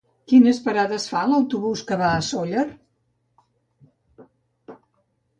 Quines parades fa l'autobús que va a Sóller?